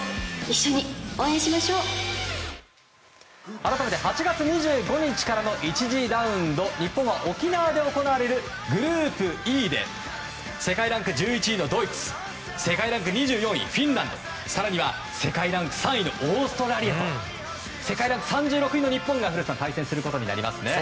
改めて８月２５日からの１次ラウンド日本は沖縄で行われるグループＥで世界ランク１１位のドイツ世界ランク２４位のフィンランド更には世界ランク３位のオーストラリアと世界ランク３６位の日本が対戦することになりますね。